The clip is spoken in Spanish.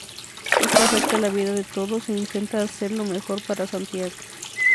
Esto afecta la vida de todos e intentan hacer lo mejor para Santiago.